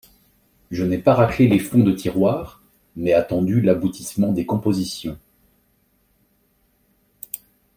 Je n'ai pas raclé les fonds de tiroir, mais attendu l'aboutissement des compositions.